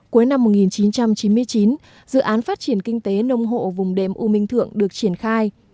cuối năm một nghìn chín trăm chín mươi chín dự án phát triển kinh tế nông hộ vùng đệm u minh thượng được triển khai